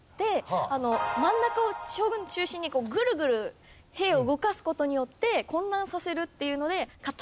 真ん中を将軍を中心にぐるぐる兵を動かす事によって混乱させるっていうので勝った！